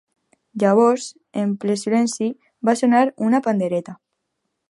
Llavors, en ple silenci, va sonar una pandereta.